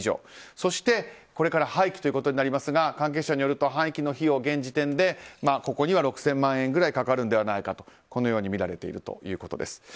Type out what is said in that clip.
そしてこれから廃棄となりますが関係者によると廃棄の費用が現時点でここには６０００万円ぐらいかかるのではないかとみられているということです。